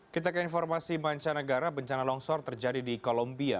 kita ke informasi mancanegara bencana longsor terjadi di kolombia